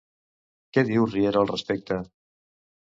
Què diu Riera al respecte?